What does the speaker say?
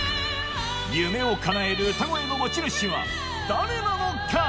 夢をかなえる歌声の持ち主は誰なのか